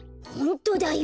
ホントだ。